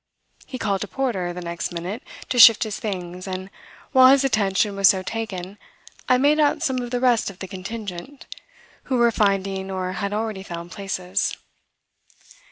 He called a porter, the next minute, to shift his things, and while his attention was so taken I made out some of the rest of the contingent, who were finding or had already found places.